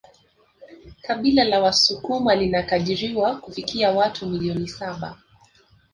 Kabila la wasukuma linakadiriwa kufikia watu milioni saba